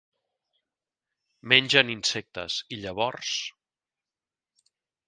Mengen insectes i llavors.